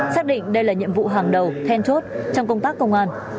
xác định đây là nhiệm vụ hàng đầu then chốt trong công tác công an